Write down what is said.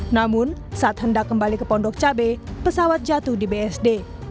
namun saat hendak kembali ke pondok cabai pesawat jatuh di bsd